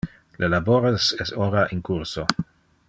Le labores es ora in curso.